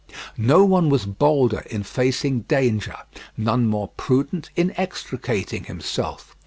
No one was bolder in facing danger, none more prudent in extricating himself.